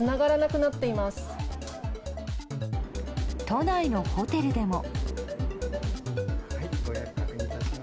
都内のホテルでも。